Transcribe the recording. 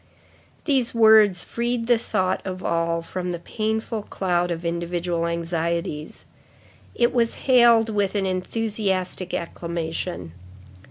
These words freed the thought of all from the painful cloud of individual anxieties. It was hailed with an enthusiastic acclamation.